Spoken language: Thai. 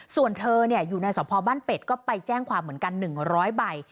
ส่วนเธออยู่ในสมภาพบ้านเป็ดก็ไปแจ้งความเหมือนกัน๑๐๐ใบ